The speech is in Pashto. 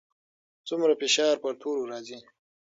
څومره فشار پر تورو راځي؟